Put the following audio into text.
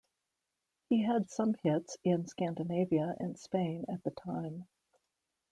He had some hits in Scandinavia and Spain at the time.